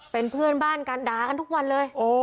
เป็นเพื่อนบ้านกันด่ากันทุกวันเลย